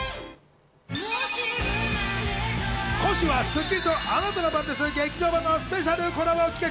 今週が『スッキリ』と『あなたの番です劇場版』のスペシャルコラボ企画。